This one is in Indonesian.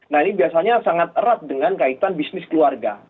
nah ini biasanya sangat erat dengan kaitan bisnis keluarga